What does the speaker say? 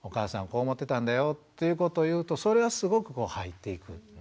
こう思ってたんだよということを言うとそれはすごくこう入っていく。